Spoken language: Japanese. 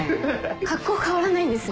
格好変わらないんですね。